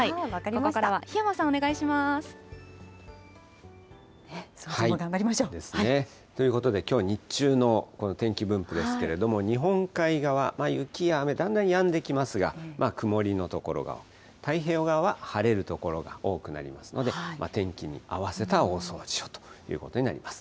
ここからは檜山さんお願いします。ですね。ということできょう日中の天気分布ですけれども、日本海側、雪や雨、だんだんやんできますが、曇りの所が多い、太平洋側は晴れる所が多くなりますので、天気に合わせたお掃除をということになります。